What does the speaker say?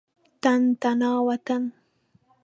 تن تنا وطن.